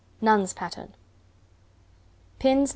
Nun's Pattern. Pins No.